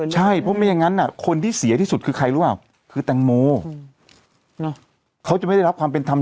ใช่เพราะไม่อย่างนั้น